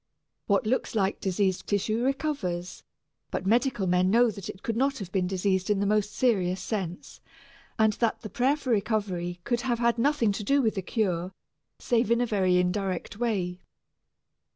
What looks like diseased tissue recovers, but medical men know that it could not have been diseased in the most serious sense, and that the prayer for recovery could have had nothing to do with the cure, save in a very indirect way.